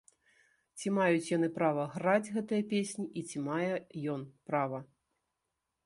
Ці маюць яны права граць гэтыя песні і ці мае ён права?